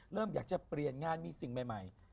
เริ่มอยากจะเปลี่ยนงานมีสิ่งใหม่